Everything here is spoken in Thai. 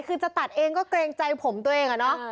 คือจะตัดเองก็เกรงใจผมตัวเองอะเนาะ